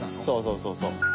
そうそうそうそう。